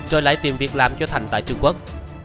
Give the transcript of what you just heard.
rồi lại tìm việc làm cho thành tại trung quốc